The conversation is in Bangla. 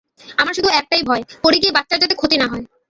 আমার শুধু একটাই ভয়, পড়ে গিয়ে বাচ্চার যাতে ক্ষতি না হয়।